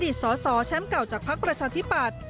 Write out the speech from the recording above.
อดีตสอแชมป์เก่าจากภักดิ์ประชาธิบัติ